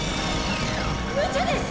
むちゃです！